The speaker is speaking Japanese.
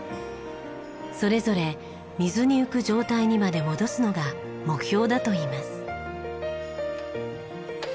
それぞれ水に浮く状態にまで戻すのが目標だといいます。